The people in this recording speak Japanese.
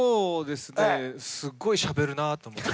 すっごいしゃべるなと思って。